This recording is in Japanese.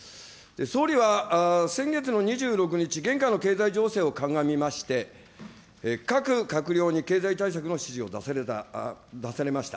総理は先月の２６日、現下の経済情勢を鑑みまして、各閣僚に経済対策の指示を出されました。